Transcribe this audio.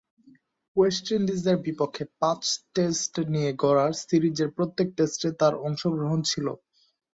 West ইন্ডিজের বিপক্ষে পাঁচ-টেস্ট নিয়ে গড়া সিরিজের প্রত্যেক টেস্টে তার অংশগ্রহণ ছিল।